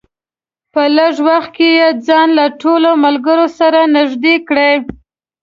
په لږ وخت کې یې ځان له ټولو ملګرو سره نږدې کړی.